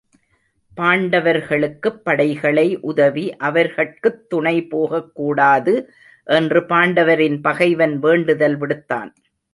பாண்டவர்களுக்குப் படைகளை உதவி அவர்கட்குத் துணை போகக்கூடாது என்று பாண்டவரின் பகைவன் வேண்டுதல் விடுத்தான்.